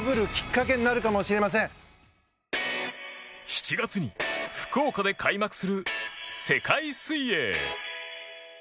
７月に福岡で開幕する世界水泳